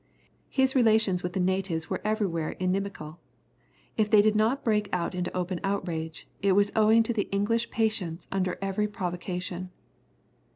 His relations with the natives were everywhere inimical; if they did not break out into open outrage, it was owing to the English patience under every provocation.